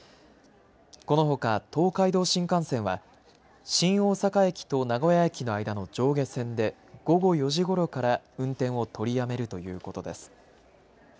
このほか東海道新幹線は新大阪駅と名古屋駅の間の上下線で午後４時ごろから運転を取りやめるということです。